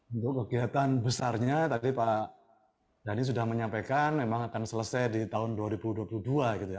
untuk kegiatan besarnya tadi pak dhani sudah menyampaikan memang akan selesai di tahun dua ribu dua puluh dua gitu ya